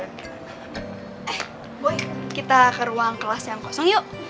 eh kita ke ruang kelas yang kosong yuk